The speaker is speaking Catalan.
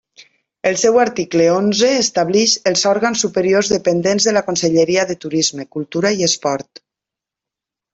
El seu article onze establix els òrgans superiors dependents de la Conselleria de Turisme, Cultura i Esport.